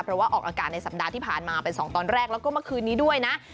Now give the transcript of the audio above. เพราะว่าออกอากาศในสัปดาห์ที่ผ่านมาเป็น๒ตอนแรกแล้วก็เมื่อคืนนี้ด้วยนะ